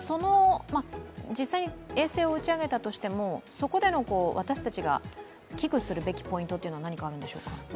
実際に衛星を打ち上げたとしても、そこでの私たちが危惧するべきポイントは何かあるんでしょうか？